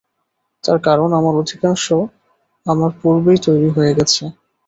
তার কারণ, আমার অধিকাংশ আমার পূর্বেই তৈরি হয়ে গেছে।